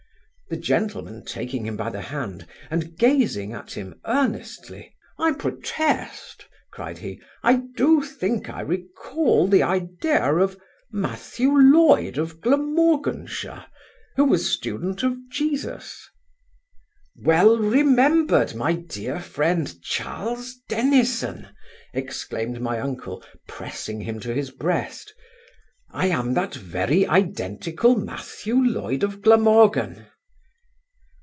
The gentleman, taking him by the hand, and gazing at him earnestly, 'I protest (cried he), I do think I recall the idea of Matthew Loyd of Glamorganshire, who was student of Jesus.' 'Well remembered, my dear friend, Charles Dennison (exclaimed my uncle, pressing him to his breast), I am that very identical Matthew Loyd of Glamorgan.